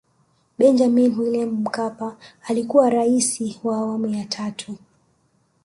Benjamini Wiliam Mkapa alikuwa Raisi wa awamu ya tatu